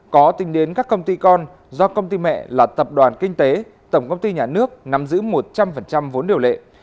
có tính đến các công ty con do công ty mẹ là tập đoàn kinh tế tổng công ty nhà nước nắm giữ một trăm linh vốn điều lệ